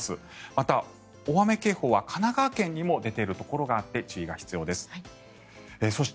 また、大雨警報は神奈川県にも出ているところがあって注意が必要です。